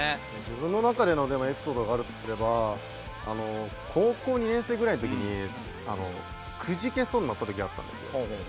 自分の中でのエピソードがあるとすれば高校２年生ぐらいのときにくじけそうになったときがあったんですよ。